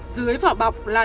dưới vỏ bọc là